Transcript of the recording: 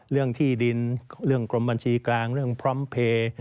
เรื่องที่ดินเรื่องกรมบัญชีกลางเรื่องพร้อมเพลย์